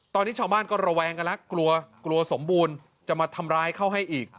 ตอนนี้ชาวบ้านก็ระแวงกันแล้วกลัวกลัวสมบูรณ์จะมาทำร้ายเขาให้อีก